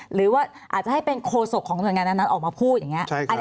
หรือว่าอาจจะให้เป็นโคศกของหน่วยงานนั้นออกมาพูดอย่างนี้